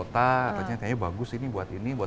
ternyata bagus ini buat ini buat